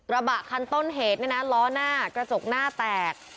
ระบะคันต้นเหตุเนี่ยนะล้อหน้ากระจกหน้าแตก